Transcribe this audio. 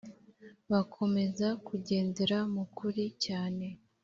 bakomeza kugendera mu kuri cyane